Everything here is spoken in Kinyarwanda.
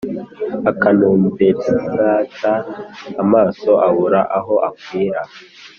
akanumbersra amaso abura aho akwirwa